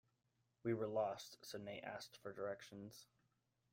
We were lost, so Nate asked for directions.